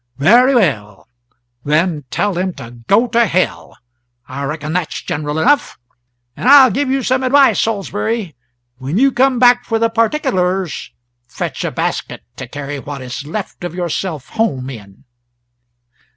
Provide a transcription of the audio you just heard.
'Very well, then, tell them to go to hell I reckon that's general enough. And I'll give you some advice, Sawlsberry; when you come back for the particulars, fetch a basket to carry what is left of yourself home in.'"